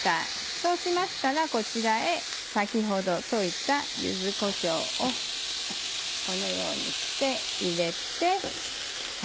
そうしましたらこちらへ先ほど溶いた柚子こしょうをこのようにして入れて。